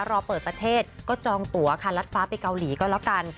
รอเปิดประเทศก็จองตัวค่ะลัดฟ้าไปเกาหลีก็แล้วกัน